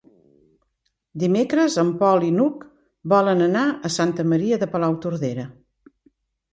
Dimecres en Pol i n'Hug volen anar a Santa Maria de Palautordera.